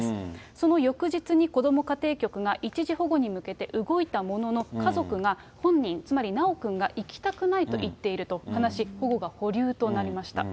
その翌日にこども家庭局が、一時保護に向けて動いたものの、家族が本人、つまり修くんが行きたくないと言っていると話し、保護が保留となりました。